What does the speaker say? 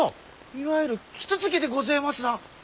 いわゆるキツツキでごぜますな！